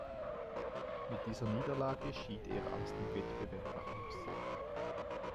Mit dieser Niederlage schied er aus dem Wettbewerb aus.